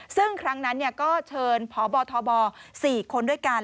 ซึ่งครั้งนั้นก็เชิญพบทบ๔คนด้วยกัน